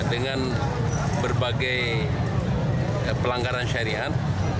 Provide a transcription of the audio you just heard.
dengan berbagai pelanggaran syariah